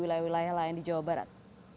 wilayah wilayah lain di jawa barat